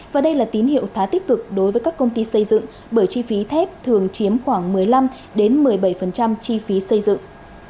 và đây là tín hiệu khá tích cực đối với các công ty xây dựng bởi chi phí thép thường chiếm khoảng một mươi năm một mươi bảy chi phí xây dựng